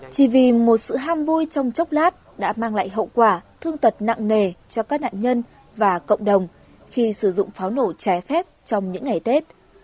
chỉ vì một sự ham vui trong chốc lát đã mang lại hậu quả thương tật nặng nề cho các nạn nhân và cộng đồng khi sử dụng pháo nổ trái phép trong những ngày tết